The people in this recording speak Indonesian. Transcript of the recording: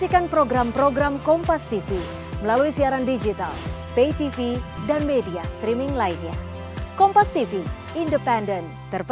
akan berlabuh di pelabuhan